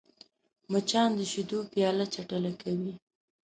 مچان د شیدو پیاله چټله کوي